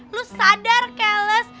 lo sadar keles